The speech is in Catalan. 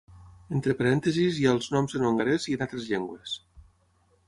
Entre parèntesis hi ha els noms en hongarès i en altres llengües.